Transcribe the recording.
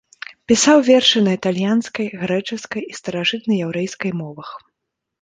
Пісаў вершы на італьянскай, грэчаскай і старажытнаяўрэйскай мовах.